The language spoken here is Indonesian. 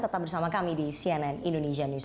tetap bersama kami di cnn indonesia newsroo